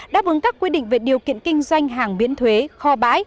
đáp ứng các quy định về điều kiện kinh doanh hàng biến thuế kho bãi